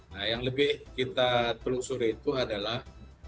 nah yang lebih kita telusuri itu adalah